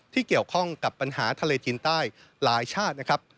ที่เกี่ยวข้องกับปัญหาทะเลจีนใต้หลายชาตินะครับ